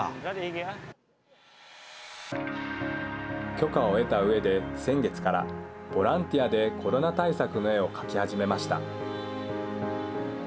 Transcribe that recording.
許可を得た上で、先月からボランティアでコロナ対策の絵を描き始めました。